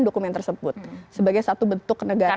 dokumen tersebut sebagai satu bentuk negara